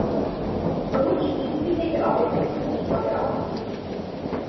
গ্রহটি পৃথিবী থেকে অপেক্ষাকৃত নিকটে অবস্থিত।